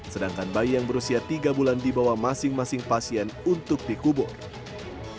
sedangkan bayi yang berusia tiga bulan dibawa masing masing pasien untuk dikubur